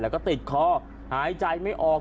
แล้วก็ติดคอหายใจไม่ออก